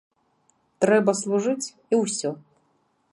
Трэба служыць і ўсё!